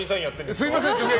すみません。